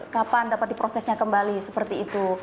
kapan dapat diprosesnya kembali seperti itu